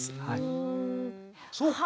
そうか。